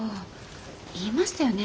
言いましたよね